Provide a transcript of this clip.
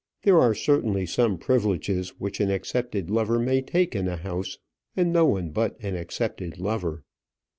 There are certainly some privileges which an accepted lover may take in a house, and no one but an accepted lover.